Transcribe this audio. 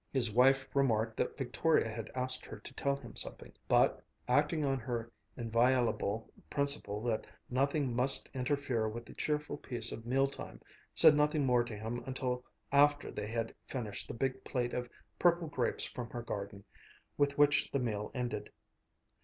His wife remarked that Victoria had asked her to tell him something, but, acting on her inviolable principle that nothing must interfere with the cheerful peace of mealtime, said nothing more to him until after they had finished the big plate of purple grapes from her garden, with which the meal ended.